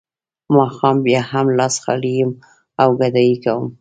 ماښام بیا هم لاس خالي یم او ګدايي کوم